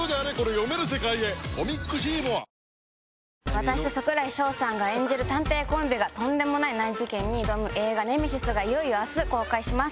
私と櫻井翔さんが演じる探偵コンビがとんでもない難事件に挑む『映画ネメシス』がいよいよ明日公開します。